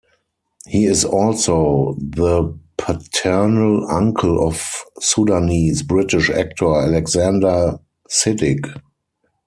He is also the paternal uncle of Sudanese-British actor Alexander Siddig.